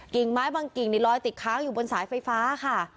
ไม้บางกิ่งนี่ลอยติดค้างอยู่บนสายไฟฟ้าค่ะ